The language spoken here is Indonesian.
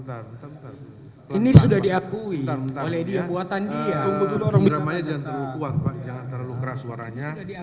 beramanya jangan terlalu kuat pak jangan terlalu keras suaranya